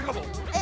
え